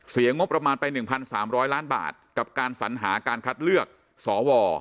งบประมาณไป๑๓๐๐ล้านบาทกับการสัญหาการคัดเลือกสว